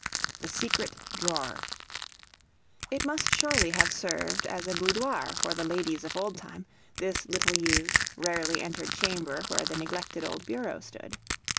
THE SECRET DRAWER IT must surely have served as a boudoir for the ladies of old time, this little used, rarely entered chamber where the neglected old bureau stood.